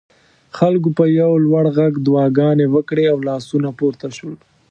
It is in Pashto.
خلکو په یو لوړ غږ دعاګانې وکړې او لاسونه پورته شول.